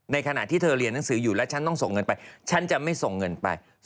ขณะที่เธอเรียนหนังสืออยู่แล้วฉันต้องส่งเงินไปฉันจะไม่ส่งเงินไป